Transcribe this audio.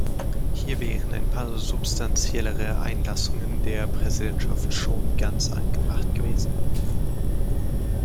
Hier wären ein paar substanziellere Einlassungen der Präsidentschaft schon ganz angebracht gewesen.